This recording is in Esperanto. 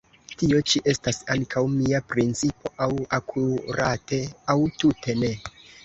Tio ĉi estas ankaŭ mia principo; aŭ akurate, aŭ tute ne!